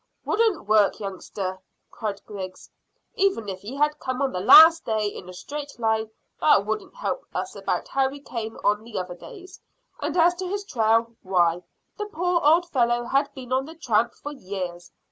"Wouldn't work, youngster," cried Griggs. "Even if he had come on the last day in a straight line that wouldn't help us about how he came on the other days; and as to his trail why, the poor old fellow had been on the tramp for years.